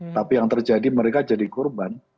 tapi yang terjadi mereka jadi korban